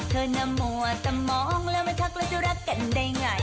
เธอน้ำมั่วตะโมงแล้วมาทักแล้วจะรักกันได้ไง